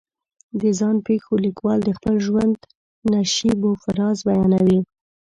د ځان پېښو لیکوال د خپل ژوند نشیب و فراز بیانوي.